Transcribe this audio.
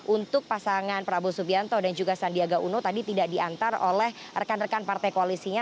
untuk pasangan prabowo subianto dan juga sandiaga uno tadi tidak diantar oleh rekan rekan partai koalisinya